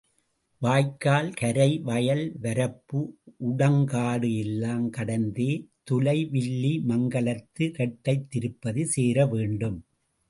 வாய்க்கால் கரை, வயல் வரப்பு உடங்காடு எல்லாம் கடந்தே துலை வில்லி மங்கலத்து இரட்டைத் திருப்பதி சேர வேண்டும்.